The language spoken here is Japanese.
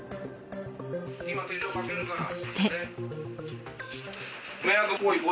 そして。